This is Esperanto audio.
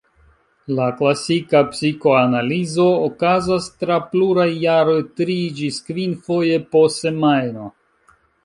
La klasika psikoanalizo okazas tra pluraj jaroj tri- ĝis kvinfoje po semajno.